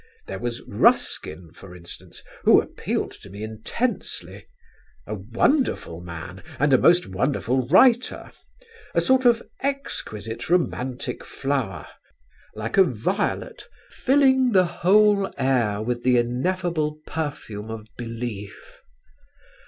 There was Ruskin for instance, who appealed to me intensely a wonderful man and a most wonderful writer. A sort of exquisite romantic flower; like a violet filling the whole air with the ineffable perfume of belief.